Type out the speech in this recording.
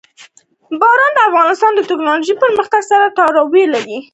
باران د افغانستان د تکنالوژۍ پرمختګ سره تړاو لري.